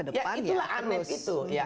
terima kasih banyak